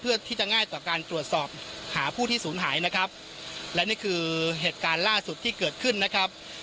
เพื่อที่จะง่ายต่อการตรวจสอบหาผู้ที่ศูนย์หายนะครับและนี่คือเหตุการณ์ล่าสุดที่เกิดขึ้นนะครับ